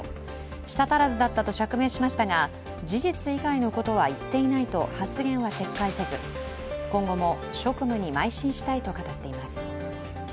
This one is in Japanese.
舌足らずだったと釈明しましたが事実以外のことは言っていないと発言は撤回せず、今後も職務にまい進したいと語っています。